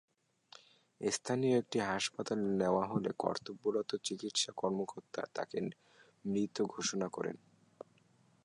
স্থানীয় একটি হাসপাতালে নেওয়া হলে কর্তব্যরত চিকিৎসা কর্মকর্তা তাঁকে মৃত ঘোষণা করেন।